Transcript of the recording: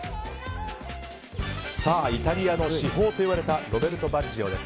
イタリアの至宝と言われたロベルト・バッジョです。